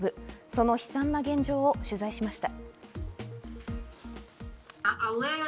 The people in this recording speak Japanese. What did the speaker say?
その悲惨な現状を取材しました。